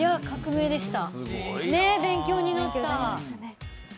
革命でした、勉強になった。